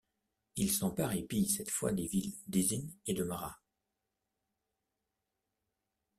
Il s'empare et pille cette fois des villes d'Isin et de Marad.